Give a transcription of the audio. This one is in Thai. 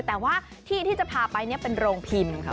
แต่ว่าที่ที่จะพาไปเนี่ยเป็นโรงพิมพ์ครับ